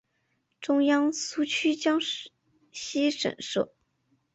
中央苏区江西省设。